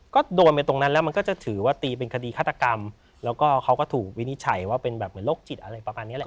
ก็โดนไปตรงนั้นแล้วมันก็จะถือว่าตีเป็นคดีฆาตกรรมแล้วก็เขาก็ถูกวินิจฉัยว่าเป็นแบบเหมือนโรคจิตอะไรประมาณนี้แหละ